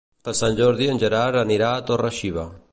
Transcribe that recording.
Per Sant Jordi en Gerard anirà a Torre-xiva.